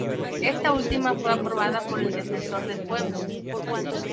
Esta última fue aprobada por el Defensor del Pueblo.